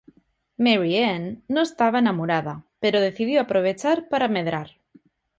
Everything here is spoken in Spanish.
Marie Anne no estaba enamorada pero decidió aprovechar para medrar.